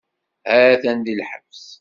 Ha-t-an di lḥebs.